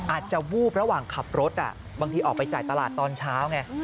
อาจจะวูบระหว่างขับรถบางทีออกไปจ่ายตลาดตอนเช้าไง